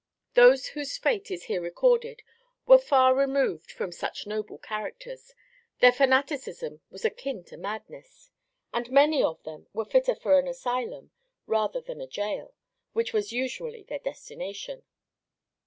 Those whose fate is here recorded were far removed from such noble characters; their fanaticism was akin to madness, and many of them were fitter for an asylum rather than a gaol, which was usually their destination.